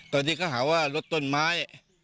ตอนนี้เขาหาว่ารถต้นไม้